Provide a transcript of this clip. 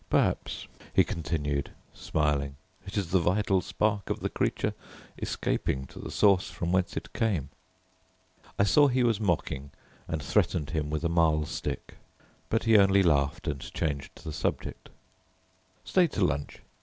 Perhaps," he continued, smiling, "perhaps it is the vital spark of the creature escaping to the source from whence it came." I saw he was mocking, and threatened him with a mahl stick, but he only laughed and changed the subject. "Stay to lunch.